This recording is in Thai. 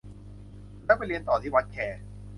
แล้วไปเรียนต่อที่วัดแค